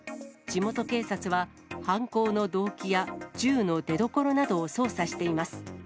地元警察は、犯行の動機や、銃の出どころなどを捜査しています。